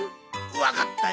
わかったよ。